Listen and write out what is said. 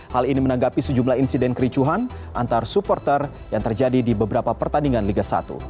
hal ini menanggapi sejumlah insiden kericuhan antar supporter yang terjadi di beberapa pertandingan liga satu